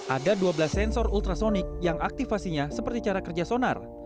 ada dua belas sensor ultrasonic yang aktifasinya seperti cara kerja sonar